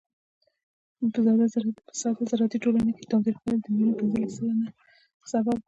په ساده زراعتي ټولنو کې تاوتریخوالی د مړینو پینځلس سلنه سبب و.